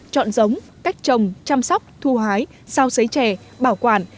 chọn giống cách trồng chăm sóc thu hái sao xấy chè bảo quản